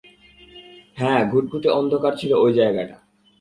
হ্যাঁ, ঘুটঘুটে অন্ধকার ছিল ঐ জায়গাটা।